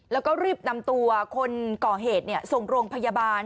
แล้วก็รีบนำตัวคนก่อเหตุส่งโรงพยาบาล